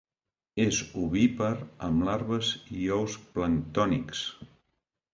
És ovípar amb larves i ous planctònics.